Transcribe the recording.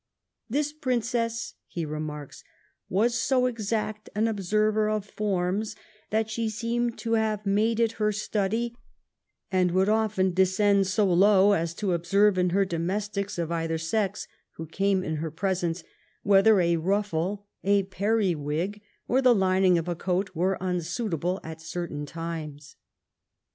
" This Prin cess/' he remarks, ^^ was so exact an observer of forms, that she seemed to have made it her study, and would often descend so low, as to observe in her domestics of either sex, who came in her presence, whether a ruffle, a periwig, or the lining of a coat, were unsuitable at certain times."